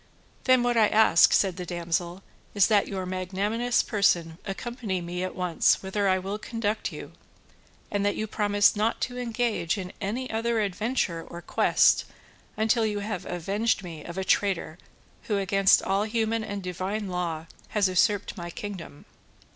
"Then what I ask," said the damsel, "is that your magnanimous person accompany me at once whither I will conduct you, and that you promise not to engage in any other adventure or quest until you have avenged me of a traitor who against all human and divine law, has usurped my kingdom."